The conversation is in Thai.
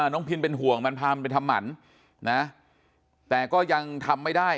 พินเป็นห่วงมันพามันไปทำหมันนะแต่ก็ยังทำไม่ได้